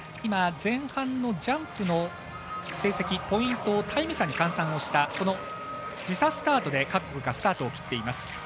前半のジャンプの成績、ポイントをタイム差に換算をした時差スタートで各国がスタートを切っています。